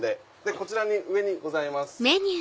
こちら上にございます。